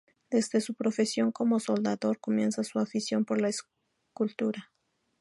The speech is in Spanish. Desde su profesión como soldador, comienza su afición por la escultura.